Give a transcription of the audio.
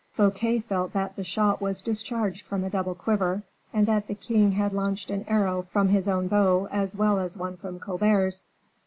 Fouquet felt that the shot was discharged from a double quiver, and that the king had launched an arrow from his own bow as well as one from Colbert's.